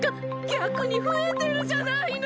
逆に増えてるじゃないの！